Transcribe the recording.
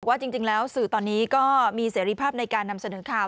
ว่าจริงแล้วสื่อตอนนี้ก็มีเสรีภาพในการนำเสนอข่าว